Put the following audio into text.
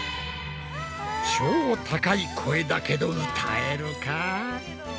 超高い声だけど歌えるか？